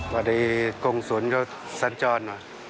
บริการกรงศูนย์สันจร